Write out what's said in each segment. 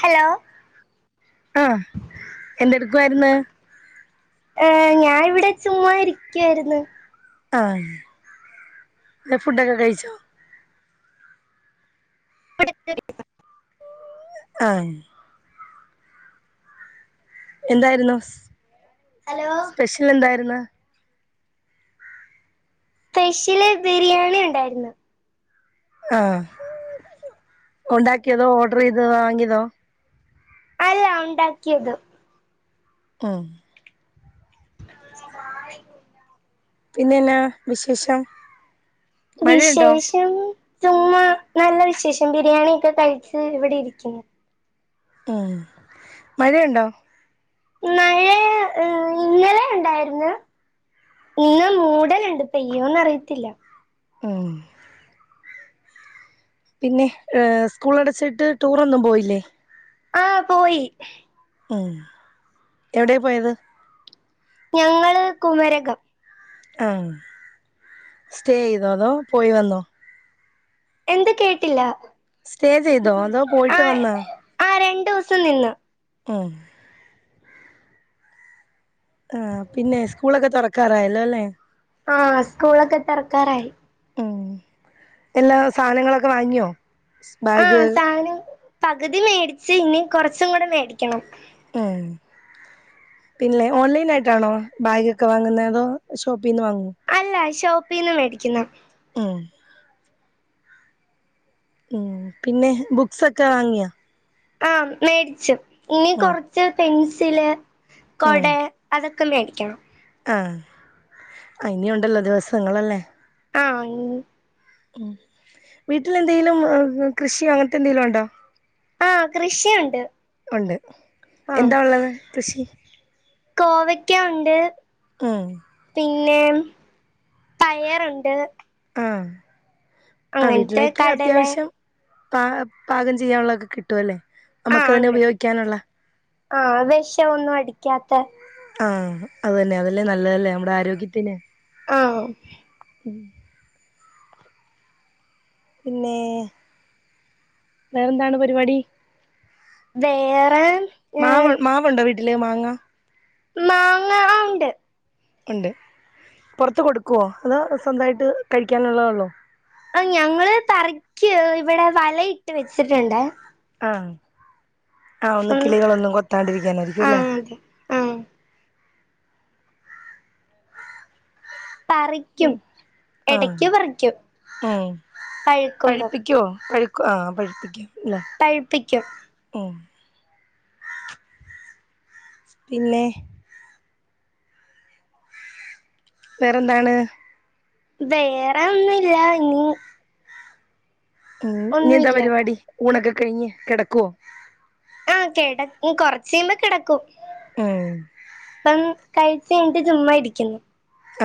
Hello ആ എന്തെടുക്കുമായിരുന്നു ഏ് ഞാൻ ഇവിടെ ചുമ്മാ ഇരിക്കുവായിരുന്നു ആ ഫുഡൊക്കെ കഴിച്ചോ [inaudible] ആഹ എന്തായിരുന്നു ഹലോ സ്പെഷ്യൽ എന്തായിരുന്നു സ്പെഷ്യല് ബിരിയാണി ഉണ്ടായിരുന്നു ആഹ് ഉണ്ടാക്കിയതോ ഓർഡർ ചെയ്തോ വാങ്ങിതോ അല്ല ഉണ്ടാക്കിയത് ഉം പിന്നെന്നാ വിശേഷം മഴയുണ്ടോ വിശേഷം ചുമ്മാ നല്ല വിശേഷം ബിരിയാണി ഒക്കെ കഴിച്ച് ഇവിടെ ഇരിക്കുന്നു ഉം മഴയുണ്ടോ ഏ ഇന്നലെ ഉണ്ടായിന്ന് ഇന്ന് മൂടലുണ്ട് പെയ്യോന്ന് അറിയത്തില്ല മ്ഹ് പിന്നെ സ്കൂൾ അടച്ചിട്ട് ടൂറൊന്നും പോയില്ലേ ആഹ് പോയി ഉ എവിടെയാ പോയത് ഞങ്ങള് കുമരകം ആഹ് സ്റ്റേ ചെയ്തോ അതോ പോയി വന്നോ എന്ത് കേട്ടില്ല സ്റ്റേ ചെയ്തോ അതോ ആ പോയിട്ട് വന്നാ ആ രണ്ട് ദിവസം നിന്ന് മ്ഹ് ആ പിന്നെ സ്കൂളൊക്കെ തുറക്കാറായല്ലോ അല്ലെ ആഹ് സ്കൂളൊക്കെ തുറക്കാറായി ഉം പിന്നെ സാധനങ്ങളൊക്കെ വാങ്ങിയോ ബാഗ് ആഹ് സാധനം പകുതി മേടിച്ച് ഇനി കുറച്ചും കൂടെ മേടിക്കണം മ്ഹ് പിന്നെ ഓൺലൈൻ ആയിട്ടാണോ ബാഗ്ക്കെ വാങ്ങുന്നത് അതോ ഷോപ്പിൽ നിന്ന് വാങ്ങോ അല്ല ഷോപ്പിൽ നിന്ന് മേടിക്കുന്നു ഉം. ഉം പിന്നേ ബുക്സൊക്കെ വാങ്ങ്യാ? ആഹ് മേടിച്ച് ഇനി ഉം കൊറച്ച് പെൻസില് ഉം കൊടേ അതൊക്കെ മേടിക്കണം. ആഹ് ഇനീയുണ്ടല്ലോ ദിവസങ്ങളല്ലേ. ആഹ്. ഉം വീട്ടിൽ എന്തേലും കൃഷിയോ അങ്ങൻതെ എന്തെങ്കിലോണ്ടോ? ആഹ് കൃഷിയുണ്ട് ഒണ്ട് എന്താ ഒള്ളത് കൃഷി? കോവയ്ക്കാ ഒണ്ട് ഉം. പിന്നേ പയറൊണ്ട് ആഹ് ആഹ് അങ്ങനത്തെ വീട്ട്ലേക്ക് കടല അത്യാവശ്യം പാ പാകം ചെയ്യാനുള്ളതൊക്കെ കിട്ടുവല്ലേ നമ്മുക്ക് ആഹ് തന്നെ ഉണ്ട് ഉപയോഗിക്കാനുള്ള ആഹ് വെഷവൊന്നും അടിക്ക്യാത്ത ആഹ് അത് തന്നെ അതല്ലേ നല്ലതല്ലേ നമ്മുടെ ആരോഗ്യത്തിന് ആഹ്. ഉം. പിന്നേ വേറെന്താണ് പര്പാടി? വേറെ ഏഹ് മാവ് മാവൊണ്ടോ വീട്ടില് മാങ്ങ? മാങ്ങ ആഹ് ഉണ്ട്. ഒണ്ട് പൊറത്ത് കൊടുക്കുവോ അതോ സ്വന്തായിട്ട് കഴിക്കാനുള്ളതേള്ളോ? ആഹ് ഞങ്ങള് പറിക്ക് ഇവടെ വല ഇട്ട് വെച്ചിട്ട്ണ്ടേ ആഹ് ആഹ് ഒന്ന് ഉം കിളികളൊന്നും കൊത്താണ്ടിരിക്കാനായിരിക്കും ലേ ആഹ്. പറിക്കും ഉം ആഹ് എടയ്ക്ക് പറിക്കും, പഴ്ക്കുമ്പം. പഴുക്ക് ആഹ് പഴുപ്പിക്കാൻ ല്ലേ പഴ്പ്പിക്കും. ഉം. പിന്നേ വേറെന്താണ്? വേറെ ഒന്നുല്ല ഇനി ഉം ഇഞ്ഞി എന്താ ഒന്നുല്ല പര്പാടി ഊണൊക്കെ കഴിഞ്ഞ് കെടക്കുവോ? ആഹ് കെട ഉം കൊറച്ച് കയ്യ്മ്പോ കെടക്കും. ഉം ഇപ്പം കഴിച്ച് കഴ്ഞ്ഞ്ട്ട് ചുമ്മാ ഇരിക്കുന്നു.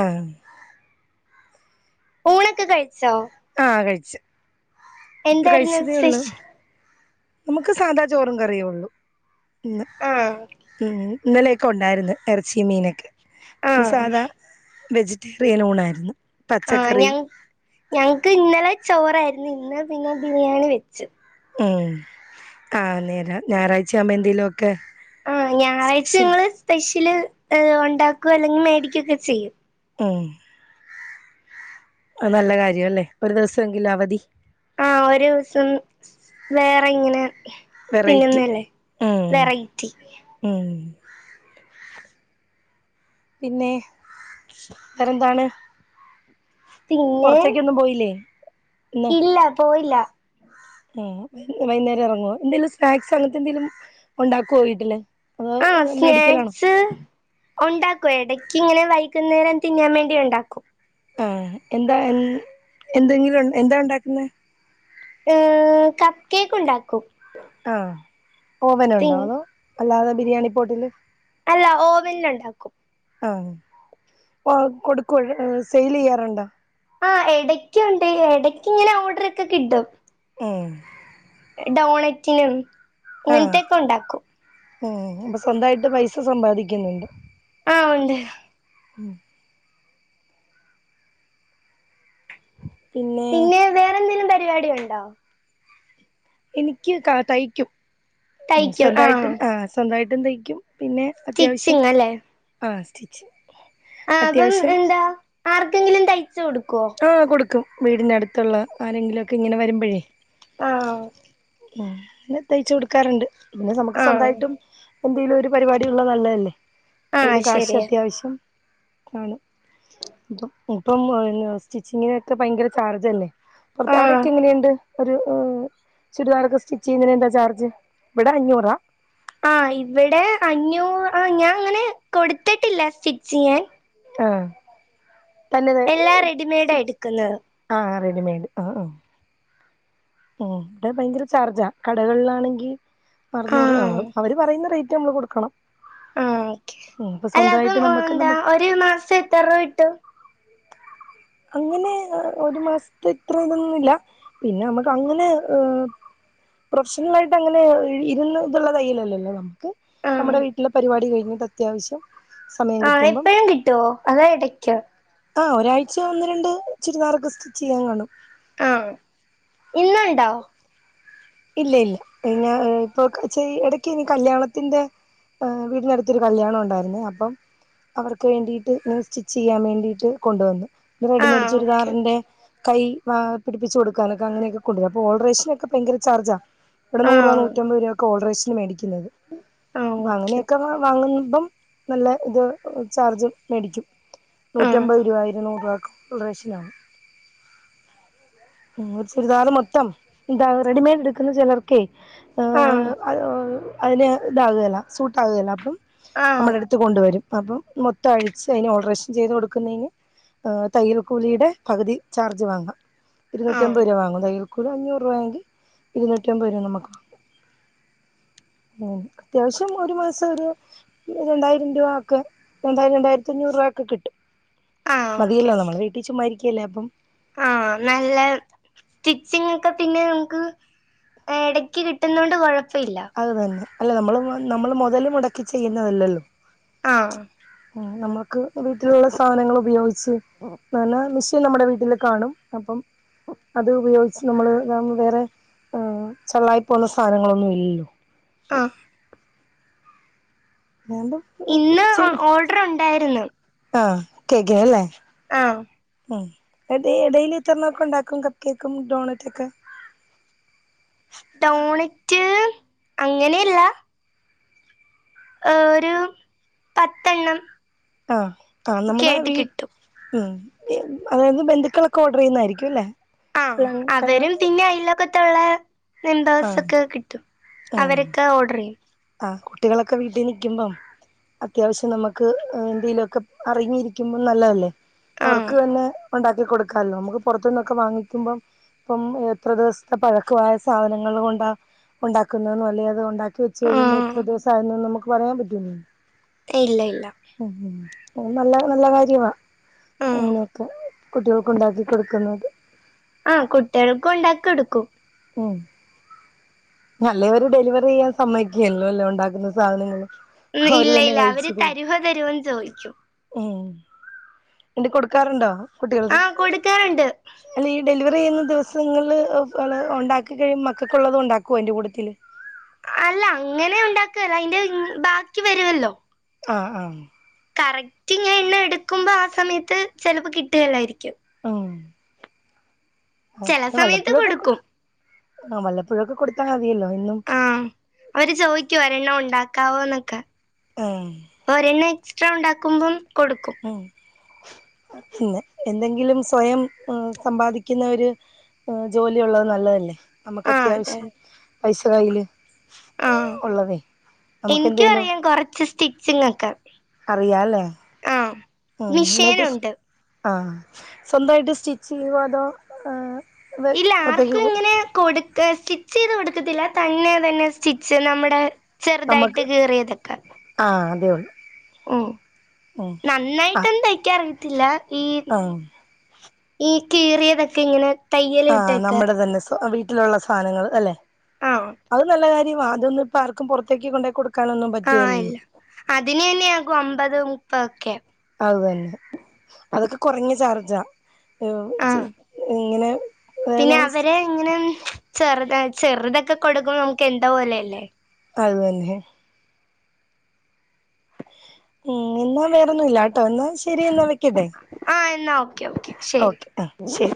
ആഹ്. ഊണൊക്കെ കഴിച്ചോ? ആഹ് കഴിച്ച് ഇപ്പ എന്തായിരുന്നു കഴിച്ചതേ ഉള്ളൂ. സ്പെഷ്യൽ നമുക്ക് സാധാ ചോറും കറിയോള്ളൂ ഇന്ന് ആ ഉം. ഇന്നലെയൊക്കെ ഉണ്ടായിര്ന്ന് എറച്ചിം മീനൊക്കെ ആ ഇന്ന് സാദാ വെജിറ്റേറിയൻ ഊണായിര്ന്ന്. ആഹ് ഞങ്ങ് ഞങ്ങക്ക് ഇന്നലെ ചോറായിര്ന്ന് ഇന്ന് പിന്നെ ബിരിയാണി വെച്ച്. ഉം ആഹ് നേരാ ഞായറാഴ്ചയാവുമ്പോ എന്തേലു ഒക്കെ ആഹ് ഞായറാഴ്ച ഞങ്ങള് സ്പെഷ്യല് ഹ് ഒണ്ടാക്കോ അല്ലെങ്ങി മേടിക്കൊക്കെ ചെയ്യും. ഉം. അത് നല്ല കാര്യാ അല്ലേ ഒരു ദെവസവെങ്കിലും അവധി. ആഹ് ഒരൂസം വേറെ ഇങ്ങനെ വെറൈറ്റി തിന്നുന്നേല്ലേ ഉം വെറൈറ്റി ഉം. പിന്നെ വേറെന്താണ് പിന്നെ പൊറത്തേക്കൊന്നും പോയില്ലേ ഇന്ന് ഇല്ല പോയില്ല ഉം വൈന്നേരം ഇറങ്ങുവോ എന്തെലും സ്നാക്സ് അങ്ങനത്തെ എന്തേലും ഉണ്ടാക്കോ വീട്ടില് അതോ ആഹ് മേടിക്കലാണോ സ്നാക്സ് ഉണ്ടാക്കും ഇടക്ക് ഇങ്ങനെ വൈകുന്നേരം തിന്നാൻ വേണ്ടി ഉണ്ടാക്കും ആഹ് എന്താ എൻ എന്തെങ്ങിലും എന്താ ഉണ്ടാക്കുന്നേ ഇഹ് കപ്പ് കേക്ക് ഉണ്ടാക്കും ആഹ് പി ഓവനുണ്ടോ അതോ അല്ലാതെ ബിരിയാണി പോട്ടില് അല്ല ഓവനിൽ ഉണ്ടാക്കും ആഹ് പ്പൊ കൊടുക്കുവോഴ് സെയിൽ ചെയ്യാറുണ്ടോ ആഹ് എടയ്ക്കുണ്ട് എടക്ക് ഇങ്ങനെ ഓർഡർ ഒക്കെ കിട്ടും എഹ് ഡോണറ്റിലും ഇങ്ങൻത്തെക്കെ ഉണ്ടാക്കും ഉം ഇപ്പം സ്വന്തായിട്ട് പൈസ സമ്പാദിക്കുന്നുണ്ട് ആഹ് ഉണ്ട് ഉം പിന്നെ വേറെ എന്തേലും പരിപാടി ഉണ്ടോ എനിക്ക് കാ തയ്ക്കും ഉംഹ് സ്വന്തായിട്ടും ആഹ് സ്വന്തായിട്ടും തയ്ക്കും പിന്നെ അത്യാവശ്യം സ്റ്റിച്ചിങ് ആഹ് സ്റ്റിച്ച് അതും അത്യാവശ്യം എന്താ ആർക്കെങ്കിലും തയ്ച്ച് കൊടുക്കോ ആഹ് കൊടുക്കും വീടിനടുത്തുള്ള ആരെങ്കിലു ഒക്കെ ഇങ്ങനെ വരുമ്പഴേ. ആഹ് ഉം ഇന്നെ തയ്ച്ച് കൊടുക്കാറുണ്ട് പിന്നെ നമുക്ക് ആഹ് സ്വന്തായിട്ടും. എന്തേലും ഒരു പരിപാടി ഉള്ളത് നല്ലെല്ലേ അയിന് ആഹ് കാശ് ശരിയാ അത്യാവശ്യം ഉം ഇപ്പ ഇപ്പം ന് സ്റ്റിച്ചിങ്ങിനൊക്കെ ഭയങ്കര ചാർജല്ലേ പൊറ്ത്ത് ആഹ് അവിടെക്കെ എങ്ങനെയുണ്ട്. ഒരു ഇഹ് ചുരിദാറൊക്കെ സ്റ്റിച്ച് ചെയ്യുന്നേന് എന്താ ചാർജ് ഇവിടെ അഞ്ഞൂറാ. ആഹ് ഇവിടെ അഞ്ഞൂ ആഹ് ഞാ ഇങ്ങനെ കൊടുത്തിട്ടില്ല സ്റ്റിച്ച് ചെയ്യാൻ ആഹ് തന്നെത് എല്ലാം റെഡിമെയ്ഡാ സ്റ്റിച്ച്. എടുക്കുന്നത് ആഹ് റെഡിമെയ്ഡ് ഉം ഉം ഉം ഇവിടെ ഭയങ്കര ചാർജാ കടകള്ലാണെങ്കി അറുനൂറ് ആഹ് ആവൂള് അവര് പറയുന്ന റേയ്റ്റ് നമ്മള് കൊടുക്കണം ആഹ് ഓക്കെ ഉം ഇപ്പൊ അല്ല അപ്പം സ്വന്തമായിട്ട് നമുക്ക് എന്താ നമുക്ക് ഒരു മാസം എത്ര റുവ കിട്ടും. അങ്ങനെ അഹ് ഒരു മാസത്തെ ഇത്ര ഇതൊന്നുല്ല. പിന്നെ നമ്മുക്ക് അങ്ങനെ ഹ് പ്രൊഫഷണൽ ആയിട്ട് അങ്ങനെ ഇരുന്ന് ഇതുള്ള തയ്യലല്ലല്ലോ ക്ക് ആഹ് നമ്മുടെ വീട്ടിലെ പരിപാടി കഴിഞ്ഞിട്ട് അത്യാവശ്യം സമയം ആഹ് കിട്ടുമ്പം എപ്പഴും കിട്ടോ അതാ എടയ്ക്കോ ആഹ് ഒരാഴ്ച ഒന്ന് രണ്ട് ചുരിദാറൊക്കെ സ്റ്റിച്ച് ചെയ്യാൻ കാണും. ആഹ് ഇന്ന് ഉണ്ടോ ഇല്ല ഇല്ല ഞാ ഇപ്പൊക്ക ചെയ് ഇടക്കിനി കല്യാണത്തിന്റെ. അഹ് വീടിനടുത്തൊരു കല്യാണം ഉണ്ടായിരുന്നേ അപ്പം. അവർക്ക് വേണ്ടിട്ട് സ്റ്റിച്ച് ചെയ്യാൻ വേണ്ടിട്ട് കൊണ്ടുവന്നു. ആഹ് റെഡിമേഡ് ഓക്കെ ചുരിദാറിന്റെ ഓക്കെ കൈ വാ പിടിപ്പിച്ച് കൊടുക്കാനൊക്കെ അങ്ങനെയൊക്കെ കൊണ്ടുവരും. അപ്പൊ ഓടറേഷനൊക്കെ പയങ്കര ചാർജാ. ഇവിടെ നൂറുവ ആഹ് നൂറ്റി അമ്പത് രൂവക്കെ ഓൾഡ്രെഷന് മേടിക്കുന്നത് ആഹ് അപ ഓക്കെ അങ്ങനെയൊക്കെ വാങ്ങുമ്പം നല്ല ഇത് ചാർജ് മേടിക്കും ആഹ് നൂറ്റമ്പത് രൂവ ഇരുന്നൂറുവ ഒക്ക്‌ ഓൾഡ്രെഷനാവും ഒരു ചുരിദാർ മൊത്തം എന്താ റെഡിമെയഡ് എടുക്കുന്ന ചെലർ ക്കെ ആഹ് ഇഹ് അഹ് അതിന് ഇതാകുകേല സൂട്ട് ആകുകേല അപ്പം ആഹ് നമ്മുടെ അടുത്ത് കൊണ്ടുവരും. അപ്പം മൊത്തം അഴിച്ച് അതിന് ഓൾട്ടറേഷൻ ചെയ്ത് കൊടുക്കുന്നേന് ഹ് തയൽക്കൂലിയുടെ പകുതി ചാർജ് വാങ്ങാ. ഇരുനൂറ്റി ആഹ് അമ്പത് രൂവ വാങ്ങും. തയൽക്കൂലി അഞ്ഞൂറ് രൂവണെങ്കിൽ ഇരുന്നൂറ്റിമ്പത് നമുക്ക അത്യാവശ്യം ഒരു മാസം ഒരു രണ്ടായിരം രൂവ ഒക്കെ രണ്ടായിരം രണ്ടായിരത്തി അഞ്ഞൂറ് രൂപക്കെ കിട്ടും. ആഹ് ഓക്കെ മതിയല്ലോ ഓക്കെ നമ്മൾ വീട്ടി ചുമ്മാ ഇരിക്കല്ലേ അപ്പം ആഹ് നല്ല സ്റ്റിച്ചിങ് ഒക്കെ പിന്നെ നമുക്ക് എടയ്ക്ക് കിട്ടുന്ന കൊണ്ട് കൊഴപ്പ ഇല്ല അത് തന്നെ അല്ല നമ്മൾ നമ്മൾ മുതൽ മുടക്കി ചെയ്യുന്നതല്ലല്ലോ ആഹ് നമ്മക്ക് വീട്ടിലുള്ള സാധനങ്ങൾ ഉപയോഗിച്ച് [unintelligible] ത്തി നമ്മുടെ വീട്ടില് കാണും അപ്പം അത് ഉപയോഗിച്ച് നമ്മൾ വേറെ എഹ് ചള്ളായി പോകുന്ന സാധനങ്ങളൊന്നും ഇല്ലല്ലോ ആഹ് [unintelligible] ഇന്ന് ചെയ്യും ഓർഡർ ഉണ്ടായിരുന്നു ആഹ് കേക്കിന് ല്ലേ ആഹ് ഉം എടെ ഡെയ്ലി ഇത്രണൊക്കെ ഉണ്ടാക്കും കപ്പ് കേക്കും ഡോണറ്റ് ഒക്കെ ഡോണറ്റ് അങ്ങനെല്ല ഏഹ് ഒരു പത്തെണ്ണം അഹ് കാ ഒക്കെ നമ്മുടെ ആയിട്ട് വീ കിട്ടും ഉം അതായത് ബന്ധുക്കളൊക്കെ ഓർഡർ ചെയ്യുന്നായിരിക്കുല്ലേ ആഹ് അവരും പിന്നെ അയ്ൽവകത്തുള്ള ആഹ് മെമ്പേഴ്സ്ക്കെ കിട്ടും അവരൊക്കെ ഓർഡറെയ്യും അഹ് കുട്ടികളൊക്കെ വീട്ടിൽ നിക്കുമ്പോം അത്യാവശ്യം നമുക്ക് ന്തീലൊക്കെ അറിഞ്ഞിരിക്കുമ്പം നല്ലതല്ലേ ആഹ് അവർക്ക് തന്നെ ഉണ്ടാക്കി കൊടുക്കാല്ലോ നമുക്ക് പുറത്തുന്നൊക്കെ വാങ്ങിക്കുമ്പം പ്പം എത്ര ദിവസത്തെ പഴക്കമായ സാധനങ്ങൾ കൊണ്ടാ ഉണ്ടാക്കുന്നെന്ന അല്ല അത്ണ്ടാ ചെയ്യുമ്പോ എത്ര ആഹ് ദിവസ ആയിരുന്നുന്ന് നമുക്ക് പറയാൻ പറ്റുല്ലലോ ഇല്ല ഇല്ല ഉം ഉം അഹ് നല്ല നല്ല കാര്യമാ ആഹ് അങ്ങനെയൊക്കെ കുട്ടികൾക്കുണ്ടാക്കി കൊടുക്കുന്നത് ആഹ് കുട്ടികൾക്ക് ഉണ്ടാക്കിടുക്കും ഉം നല്ലേവര് ഡെലിവറിയ്യാൻ സമ്മയ്ക്കുല്ലോല്ലോ ഉണ്ടാക്കുന്ന സാധനങ്ങൾ ഉം ഇല്ല ഇല്ല അവര് തരുവോ തരുവൊന്ന് ചോയ് ക്കു ഉം ൻട് കൊടുക്കാറുണ്ടോ കുട്ടികൾക്ക് ആഹ് കൊടുക്കാറുണ്ട് അല്ല ഈ ഡെലിവറിയ്യുന്ന ദിവസങ്ങളിൽ ഉണ്ടാക്കി കഴിയു മക്കക്കുള്ളത് ഉണ്ടാക്കോ അയ്ന്റെ കൂട്ടത്തിൽ അല്ല അങ്ങനെ ഉണ്ടാക്കല്ല അയ്ന്റെ ബാക്കി വരുവല്ലോ ആഹ് ആഹ് കറക്റ്റ് ഇങ്ങനെ എണ്ണ എടുക്കുമ്പോ ആ സമയത്ത് ചിലപ്പോ കിട്ടുകല്ലായിരിക്കും ഓഹ് ചെല ഒഹ് സമയത്ത് വല്ലപ്പുഴൊക്കെ കൊടുക്കും ആഹ് വല്ലപ്പുഴൊക്കെ കൊടുത്താൽ മതിയല്ലോ ഇന്നും ഉം അവര് ചോദിക്കു ഒരെണ്ണം ഉണ്ടാക്കാവോന്നൊക്കെ ഉം ഒരെണ്ണം എക്സ്ട്രാ ഉണ്ടാക്കുമ്പോം കൊടുക്കും ഉം എന്തെങ്കിലും സ്വയം ഏഹ് സമ്പാദിക്കുന്ന ഒരു ഒഹ് ജോലിയുള്ളത് നല്ലതല്ലേ നമ്മക്ക് ആഹ് അതെ അത്യാവശ്യം പൈസ കയ്യില് ആഹ് ഉള്ളതേ നമുക്ക് ഇൻക്ക് എന്തേലും അറിയാം കൊറച്ച് സ്റ്റിച്ചിങ് ഒക്കെ അറിയാല്ലേ ആഹ് ഉം ന്നിട്ട് മിഷേനുണ്ട് ആഹ് സ്വന്തായിട്ട് സ്റ്റിച്ച് ചെയ്യോ അതോ ഏഹ് ഇല്ല ആർക്കും ഇങ്ങനെ കൊടുക്കസീ റ്റിച്ചീത് കൊടുക്കത്തില്ല തന്നെ പെന്നെ സ്റ്റിച്ച് നമ്മുടെ ചെറുതായിട്ട് കീറിയതൊക്കെ ആ അതേ ഉള്ളൂ ഉം ഉം നന്നായിട്ടൊന്നും തയ്ക്കാ അറിയത്തില്ല ഈ ആ ഈ കീറിയതൊക്കെ ഇങ്ങനെ തയ്യല് ആ വിട്ടൊക്കെ നമ്മുടെ തന്നെ സൊ വീട്ടിലുള്ള സാധനങ്ങള് അല്ലെ ആഹ് അത് നല്ല കാര്യമാ അതൊന്ന് പ്പൊ ആർക്കും പുറത്തേക്ക് കൊണ്ടേ കൊടുക്കാനൊന്നും ആഹ് പറ്റികേലല്ലോ ഇല്ല അതിന് തന്നെയാകും അമ്പത് മുപ്പതൊക്കെ അത് തന്നെ അതൊക്കെ കുറഞ്ഞ ചാർജാ ഈ ചി ആഹ് ഇങ്ങനെ അതായത് പിന്നെ അവരെ ഇങ്ങനെ ചെറുത ചെറുതൊക്കെ കൊടുക്കുമ്പോ നമുക്ക് എന്തോ പോലെയല്ലേ അത് തന്നെ ഉം എന്നാ വേറെന്നുല്ലാട്ടോ എന്നാ ശരി എന്നാ വെക്കട്ടെ ആ എന്നാ ഓക്കെ ഓക്കെ ശരി ഓക്കെ ആഹ് ശരി